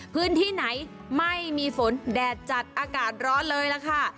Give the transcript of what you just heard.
พื้นที่ไหนไม่มีฝนแดดจัดอากาศร้อนเลยล่ะค่ะ